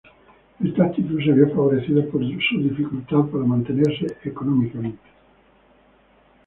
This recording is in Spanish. Esta actitud se vio favorecida por su dificultad para mantenerse económicamente.